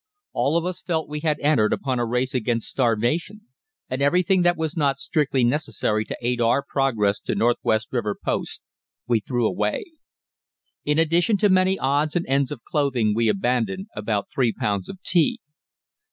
All of us felt we had entered upon a race against starvation, and everything that was not strictly necessary to aid our progress to Northwest River Post we threw away. In addition to many odds and ends of clothing we abandoned about three pounds of tea.